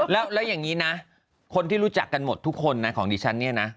แล้วอย่างนี้นะคนที่รู้จักกันหมดทุกคนนะของดิฉันเนี่ยนะ